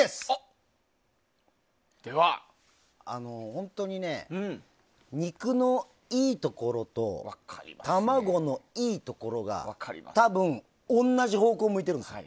本当に、肉のいいところと卵のいいところが多分、同じ方向を向いてるんです。